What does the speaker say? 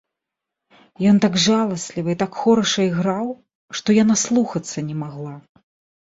Ён так жаласліва і так хораша іграў, што я наслухацца не магла.